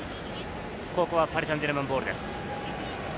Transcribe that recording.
ここはパリ・サンジェルマンボールです。